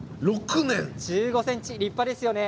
１５ｃｍ、立派ですよね。